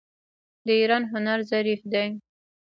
د ایران هنر ظریف دی.